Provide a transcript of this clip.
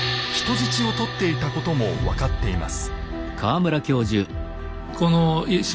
人質を取っていたことも分かっています。